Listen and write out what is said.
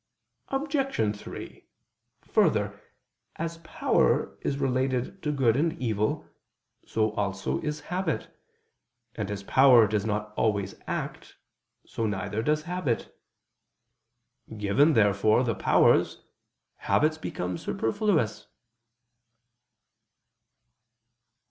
Obj. 3: Further, as power is related to good and evil, so also is habit: and as power does not always act, so neither does habit. Given, therefore, the powers, habits become superfluous.